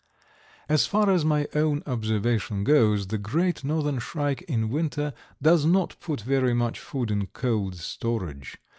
As far as my own observation goes the Great Northern Shrike in winter does not put very much food in cold storage.